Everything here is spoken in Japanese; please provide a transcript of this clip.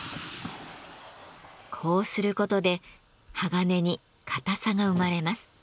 こうする事で鋼に硬さが生まれます。